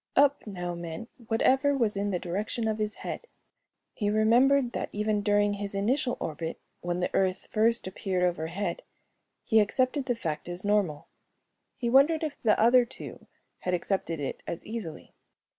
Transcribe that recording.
"Up" now meant whatever was in the direction of his head. He remembered that even during his initial orbit when the Earth first appeared overhead he accepted the fact as normal. He wondered if the other two had accepted it as easily.